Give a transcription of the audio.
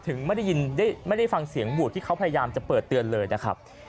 ถึงไม่ได้ยินไม่ได้ฟังเสียงหวูดที่เขาพยายามจะเปิดเตือนเลยนะครับ